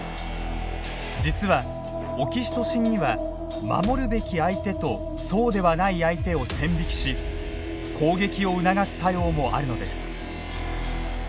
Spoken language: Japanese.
実はオキシトシンには守るべき相手とそうではない相手を線引きし攻撃を促す作用もあるのです。